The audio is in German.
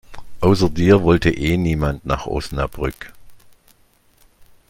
Außer dir wollte eh niemand nach Osnabrück.